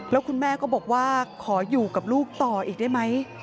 แล้วคุณแม่ก็บอกว่าขออยู่กับลูกต่ออีกได้ไหม